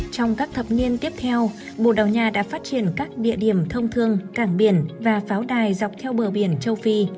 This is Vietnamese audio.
trong các thập niên tiếp theo bồ đào nha đã phát triển các địa điểm thông thương cảng biển và pháo đài dọc theo bờ biển châu phi